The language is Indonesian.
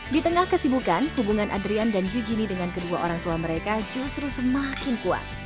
di tengah kesibukan hubungan adrian dan eugenie dengan kedua orang tua mereka justru semakin kuat